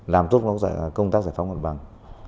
làm tốt công tác giải phóng hoạt bằng